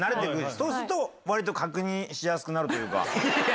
そうすると、わりと確認しやすくなるというか。